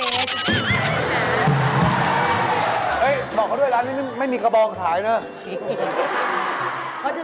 บอกเขาด้วยร้านนี้ไม่มีกระบองขายเนอะ